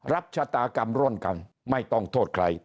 ชะตากรรมร่วมกันไม่ต้องโทษใคร